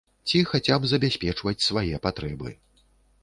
Ці хаця б забяспечваць свае патрэбы.